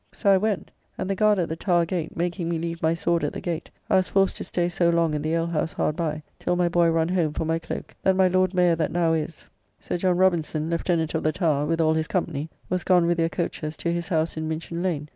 So I went; and the guard at the Tower Gate, making me leave my sword at the gate, I was forced to stay so long in the ale house hard by, till my boy run home for my cloak, that my Lord Mayor that now is, Sir John Robinson, Lieutenant of the Tower, with all his company, was gone with their coaches to his house in Minchen Lane.